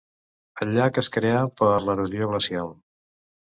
El llac es creà per l'erosió glacial.